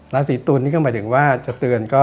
ราศีตุลนี่ก็หมายถึงว่าจะเตือนก็